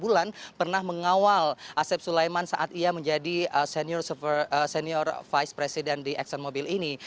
enam bulan pernah mengawal asep sulaiman saat ia menjadi senior vice president di exxon mobil ini